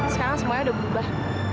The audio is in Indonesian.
sekarang semuanya udah berubah